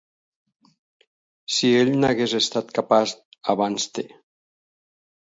Si ell n'hagués estat capaç abans de.